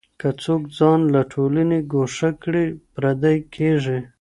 که څوک ځان له ټولني ګوښه کړي پردی کېږي.